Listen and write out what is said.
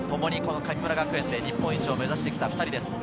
神村学園で日本一を目指してきた２人です。